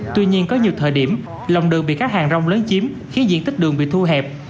tuy nhiên có nhiều thời điểm lòng đường bị các hàng rong lớn chiếm khiến diện tích đường bị thu hẹp